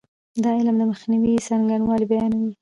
دا علم د مخنیوي څرنګوالی بیانوي.